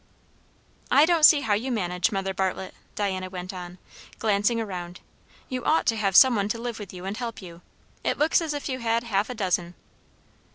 "I don't see how you manage, Mother Bartlett," Diana went on, glancing around. "You ought to have some one to live with you and help you. It looks as if you had half a dozen."